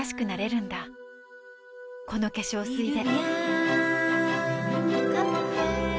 この化粧水で